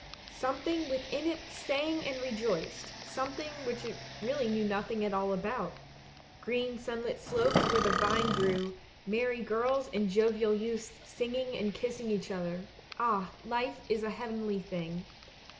Some thing within it sang and rejoiced, something which it really knew nothing at all about; green sunlit slopes where the vine THE BOTTLE NECK 85 grew, merry girls and jovial youths singing and kissing each other. Ah, life is a heavenly thing